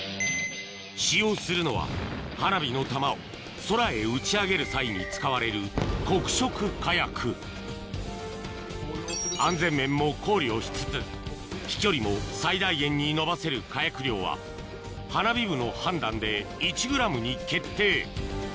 使用するのは花火の玉を空へ打ち上げる際に使われる安全面も考慮しつつ飛距離も最大限に伸ばせる火薬量は花火部の判断で１ｇに決定